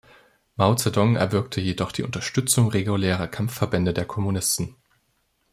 Mao Zedong erwirkte jedoch die Unterstützung regulärer Kampfverbände der Kommunisten.